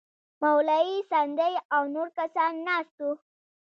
مولوي سندی او نور کسان ناست وو.